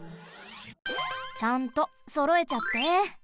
ちゃんとそろえちゃって。